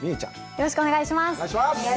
よろしくお願いします。